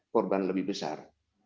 korban lebih besar